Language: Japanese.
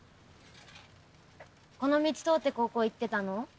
この道通って高校行ってたの？